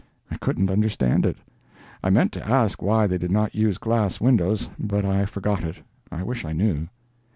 I couldn't understand it. I meant to ask why they did not use glass windows, but I forgot it. I wish I knew.